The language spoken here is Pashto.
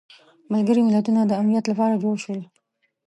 ملګري ملتونه د امنیت لپاره جوړ شول.